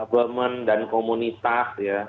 government dan komunitas ya